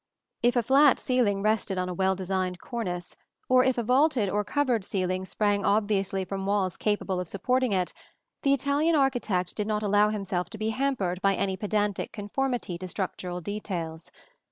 ] If a flat ceiling rested on a well designed cornice, or if a vaulted or coved ceiling sprang obviously from walls capable of supporting it, the Italian architect did not allow himself to be hampered by any pedantic conformity to structural details.